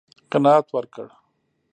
قناعت ورکړ.